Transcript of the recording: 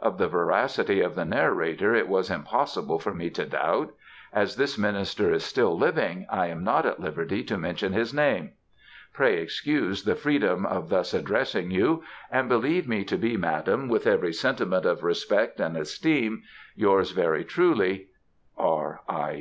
Of the veracity of the narrator it was impossible for me to doubt. As this minister is still living I am not at liberty to mention his name. Pray excuse the freedom of thus addressing you, and believe me to be Madam, with every sentiment of respect and esteem, Yours, very truly, Mrs. C.